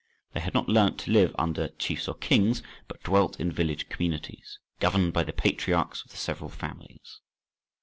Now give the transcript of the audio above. They had not learnt to live under kings or chiefs, but dwelt in village communities, governed by the patriarchs of the several families.